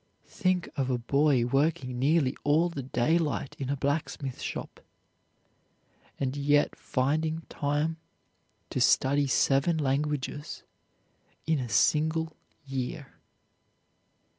Think of a boy working nearly all the daylight in a blacksmith shop, and yet finding time to study seven languages in a single year.